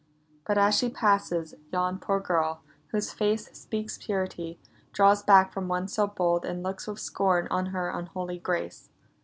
— But as she passes, yon poor girl, whose face Speaks purity, draws back from one so bold And looks with scorn on her unholy grace.